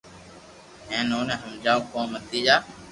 ھين اوني ھمجاو ڪو متي جا